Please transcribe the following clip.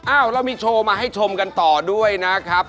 เรามีโชว์มาให้ชมกันต่อด้วยนะครับ